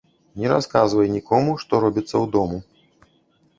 Не расказвай нiкому, што робiцца ўдому